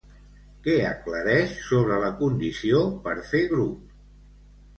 Què aclareix sobre la condició per fer grup?